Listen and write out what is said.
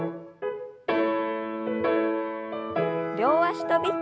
両脚跳び。